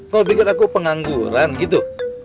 kau pikir aku pengangguran gitu